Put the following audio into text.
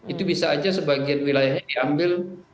itu bisa aja sebagian wilayahnya diambil